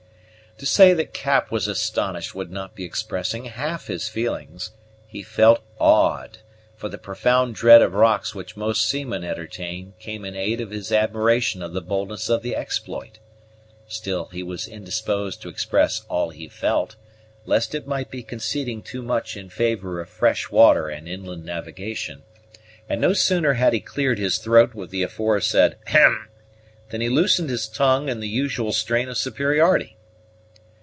To say that Cap was astonished would not be expressing half his feelings; he felt awed: for the profound dread of rocks which most seamen entertain came in aid of his admiration of the boldness of the exploit. Still he was indisposed to express all he felt, lest it might be conceding too much in favor of fresh water and inland navigation; and no sooner had he cleared his throat with the afore said hem, than he loosened his tongue in the usual strain of superiority.